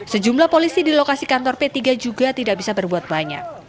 sejumlah polisi di lokasi kantor p tiga juga tidak bisa berbuat banyak